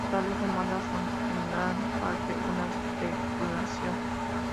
Tales demandas son en gran parte una especulación.